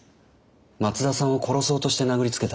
松田さんを殺そうとして殴りつけたんですか？